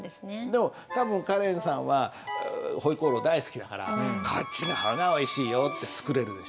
でも多分カレンさんは回鍋肉大好きだからこっちの方がおいしいよって作れるでしょう。